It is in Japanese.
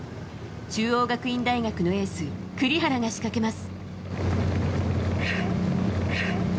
中央学院大学のエース栗原が仕掛けます。